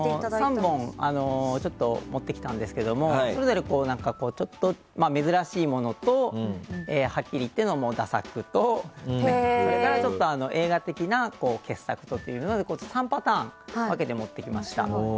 ３本、持ってきたんですけどもそれぞれ珍しいものとはっきり言って駄作とそれから、映画的な傑作とというので３パターンに分けて持ってきました。